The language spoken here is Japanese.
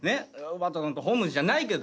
ワトソンとホームズじゃないけど。